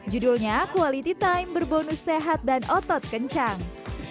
judulnya quality time berbonus sehat dan otot kencang